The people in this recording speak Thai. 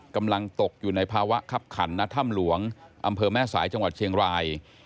กำลังตกอยู่ในภาวะคับขันณถ้ำหลวงอำเภอแม่สายจังหวัดเชียงราย